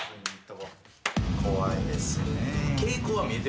怖いですねえ。